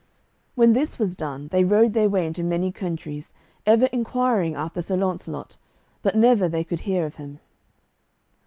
When this was done they rode their way into many countries, ever inquiring after Sir Launcelot, but never they could hear of him.